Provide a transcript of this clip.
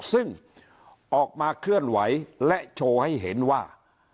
ซึ่งออกมาเคลื่อนไหวและโชว์ให้เห็นว่า